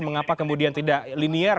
mengapa kemudian tidak linier